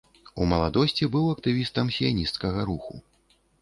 У маладосці быў актывістам сіянісцкага руху.